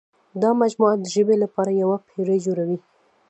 دا مجموعه د ژبې لپاره یوه پېړۍ جوړوي.